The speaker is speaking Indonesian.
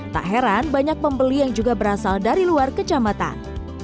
tak heran banyak pembeli yang juga berasal dari luar kecamatan